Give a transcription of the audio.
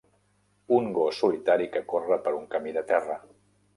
Un gos solitari que corre per un camí de terra.